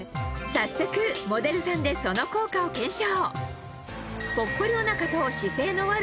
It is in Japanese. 早速モデルさんでその効果を検証！